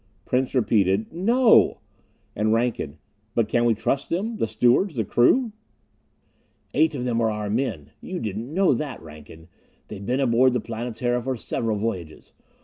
Prince repeated: "No!" And Rankin: "But can we trust them? The stewards the crew?" "Eight of them are our own men! You didn't know that, Rankin? They've been aboard the Planetara for several voyages.